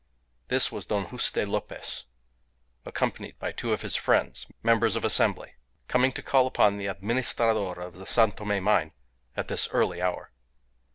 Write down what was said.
This was Don Juste Lopez, accompanied by two of his friends, members of Assembly, coming to call upon the Administrador of the San Tome mine at this early hour.